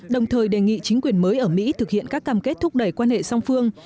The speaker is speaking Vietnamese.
đồng thời đề nghị chính quyền mới ở mỹ thực hiện các cam kết thúc đẩy quan hệ song phương